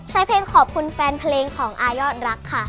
ใช้เพลงขอบคุณแฟนเพลงของอายอดรักค่ะ